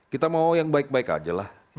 kita mau yang baik baik aja lah